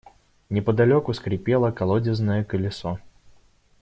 Неподалеку скрипело колодезное колесо.